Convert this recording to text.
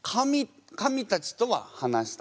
神たちとは話した？